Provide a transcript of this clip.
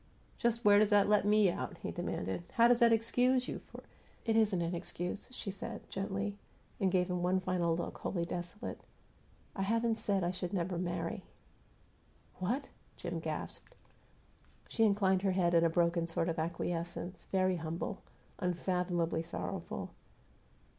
"Just where does that let me out?" he demanded. "How does that excuse you for " "It isn't an excuse," she said, gently, and gave him one final look, wholly desolate. "I haven't said I should never marry." "What?" Jim gasped. She inclined her head in a broken sort of acquiescence, very humble, unfathomably sorrowful.